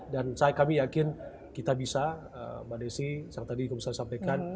dan kami yakin kita bisa mbak desi yang tadi bu sari sampaikan